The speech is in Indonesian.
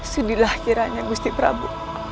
sudilah kiranya gusti prabu